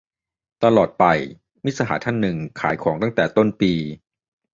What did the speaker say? ตลอดไป - มิตรสหายท่านหนึ่ง ขายของตั้งแต่ต้นปี